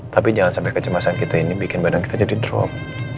tapi jangan sampai kecemasan kita ini bikin badan kita jadi drop